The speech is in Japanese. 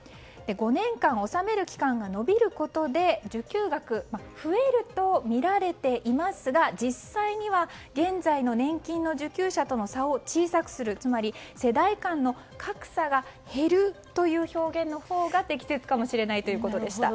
５年間納める期間が延びることで受給額増えるとみられていますが実際には現在の年金の受給者との差を小さくする、つまり世代間の格差が減るという表現のほうが適切かもしれないということでした。